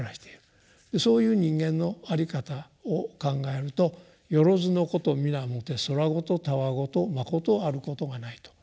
そういう人間のあり方を考えると「よろづのことみなもて空言戯言まことあることがない」と。